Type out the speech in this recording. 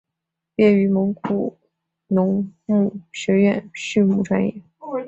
毕业于内蒙古农牧学院畜牧专业。